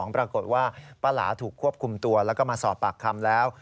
ปรากฏว่าป้าหลาถูกควบคุมตัวแล้วก็มาสอบปากคำแล้ว